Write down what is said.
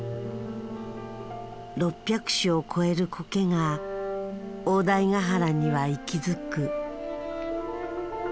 ６００種を超えるコケが大台ヶ原には息づく。